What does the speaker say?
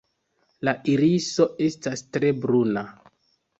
La iriso estas tre bruna.